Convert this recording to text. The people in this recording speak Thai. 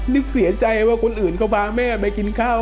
นึกเสียใจว่าคนอื่นก็พาแม่ไปกินข้าว